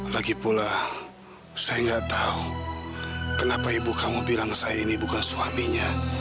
lagipula saya gak tahu kenapa ibu kamu bilang saya ini bukan suaminya